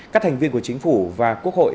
các thành viên của chính phủ và quốc hội